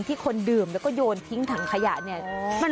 ที่คนดื่มแล้วก็โยนทิ้งถังขยะเนี่ย